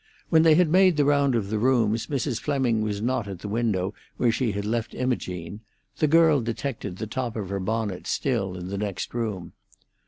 When they had made the round of the rooms Mrs. Fleming was not at the window where she had left Imogene; the girl detected the top of her bonnet still in the next room.